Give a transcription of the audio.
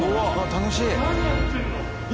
楽しい！